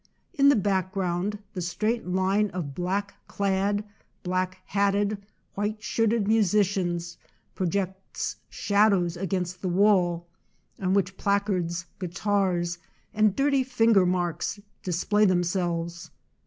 In the background the straight line of black clad, black hatted, white shirted musicians pro jects shadows against the wall, on which placards, guitars, and dirty finger marks display themselves.